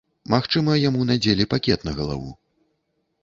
Магчыма, яму надзелі пакет на галаву.